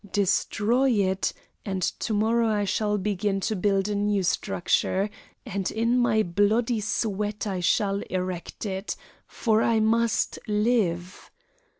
Destroy it and to morrow I shall begin to build a new structure, and in my bloody sweat I shall erect it! For I must live!